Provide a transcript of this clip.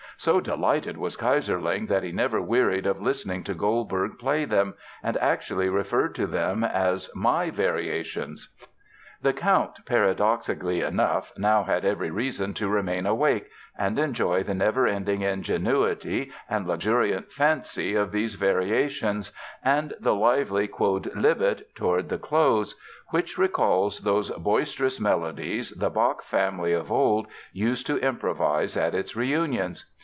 So delighted was Keyserling that he never wearied of listening to Goldberg play them and actually referred to them as "my Variations." The Count, paradoxically enough, now had every reason to remain awake and enjoy the never ending ingenuity and luxuriant fancy of these variations and the lively Quodlibet toward the close, which recalls those boisterous medleys the Bach family of old used to improvise at its reunions.